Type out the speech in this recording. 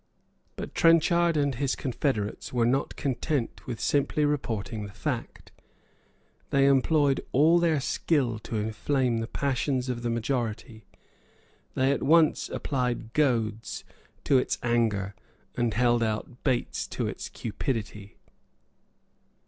But Trenchard and his confederates were not content with simply reporting the fact. They employed all their skill to inflame the passions of the majority. They at once applied goads to its anger and held out baits to its cupidity.